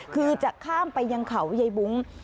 คือจะข้ามไปยังเขายายบุ้ง